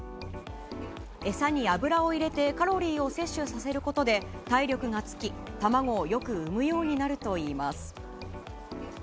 餌に油を入れてカロリーを摂取させることで体力がつき、卵をよく生むようになるといいます。